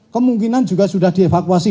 kemungkinan juga sudah dievakuasi